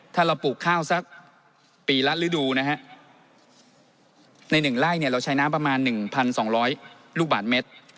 ถ้าเราปลูกข้าวสักปีละฤดูนะฮะในหนึ่งไล่เนี่ยเราใช้น้ำประมาณหนึ่งพันสองร้อยลูกบาทเมตร